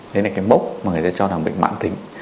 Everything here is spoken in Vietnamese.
đấy là cái mốc mà người ta cho là bệnh mạn tính